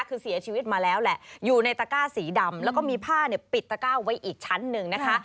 คือเสียชีวิตมาแล้วแหละอยู่ในตะก้าสีดำแล้วก็มีผ้าเนี่ยปิดตะก้าไว้อีกชั้นหนึ่งนะคะ